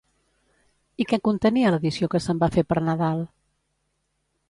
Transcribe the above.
I què contenia l'edició que se'n va fer per Nadal?